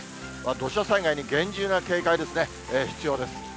土砂災害に厳重な警戒ですね、必要です。